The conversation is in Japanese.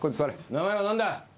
名前は何だ。